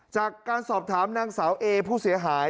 จากการสอบถามนางสาวเอผู้เสียหาย